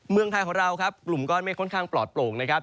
เมืองไทยของเราครับกลุ่มก้อนเมฆค่อนข้างปลอดโปร่งนะครับ